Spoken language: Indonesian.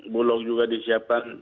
bulog juga disiapkan